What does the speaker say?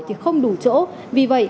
thì không đủ chỗ vì vậy